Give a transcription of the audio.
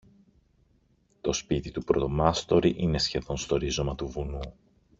Το σπίτι του πρωτομάστορη είναι σχεδόν στο ρίζωμα του βουνού